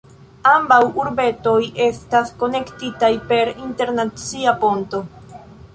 Ambaŭ urbetoj estas konektitaj per internacia ponto.